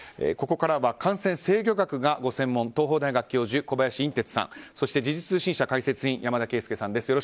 ここからは感染制御学がご専門の東邦大学教授、小林寅てつさんそして時事通信社解説委員山田惠資さんです。